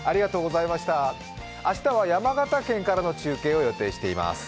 明日は山形県からの中継を予定しています。